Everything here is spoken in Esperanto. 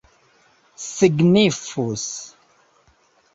signifus